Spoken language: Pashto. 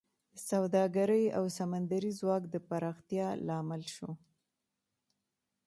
د سوداګرۍ او سمندري ځواک د پراختیا لامل شو